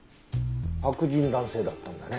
白人男性だったんだね。